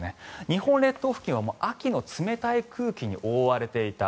日本列島付近は秋の冷たい空気に覆われていた。